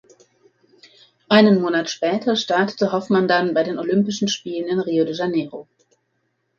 Einen Monat später startete Hoffmann dann bei den Olympischen Spielen in Rio de Janeiro.